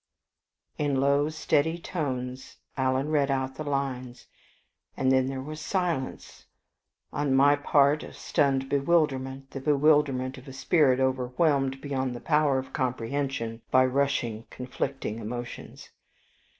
In low steady tones Alan read out the lines, and then there was silence on my part of stunned bewilderment, the bewilderment of a spirit overwhelmed beyond the power of comprehension by rushing, conflicting emotions.